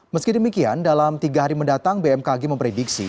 meski demikian dalam tiga hari mendatang bmkg memprediksi